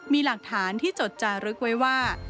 มีหลักฐานที่จดจารึกไว้ว่า